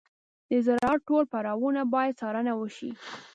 د زراعت ټول پړاوونه باید څارنه وشي.